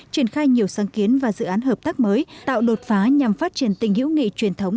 triển khai nhiều sáng kiến và dự án hợp tác mới tạo đột phá nhằm phát triển tình hữu nghị truyền thống